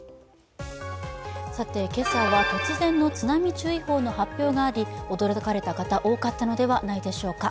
今朝は突然の津波注意報の発表があり驚かれた方、多かったのではないでしょうか。